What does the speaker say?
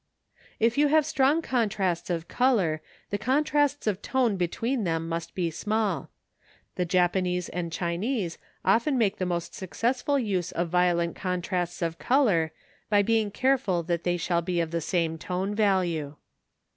If you have strong contrasts of colour, the contrasts of tone between them must be small. The Japanese and Chinese often make the most successful use of violent contrasts of colour by being careful that they shall be of the same tone value.